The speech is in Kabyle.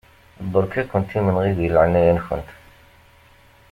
Beṛka-kent imenɣi di leɛnaya-nkent.